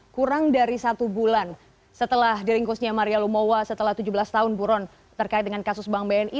kurang dari satu bulan setelah diringkusnya maria lumowa setelah tujuh belas tahun buron terkait dengan kasus bank bni